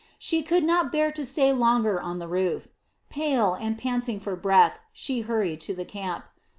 She could not bear to stay longer on the roof. Pale and panting for breath, she hurried to the camp.